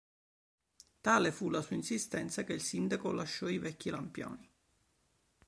Tale fu la sua insistenza che il sindaco lasciò i vecchi lampioni.